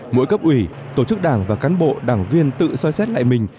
mỗi cấp ủy tổ chức đảng và cán bộ đảng viên tự soi xét lại mình